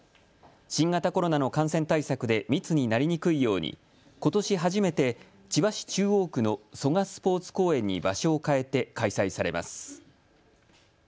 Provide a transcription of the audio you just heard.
新型コロナの感染対策で密になりにくいようにことし初めて、千葉市中央区の蘇我スポーツ公園に場所を変えて開催されます。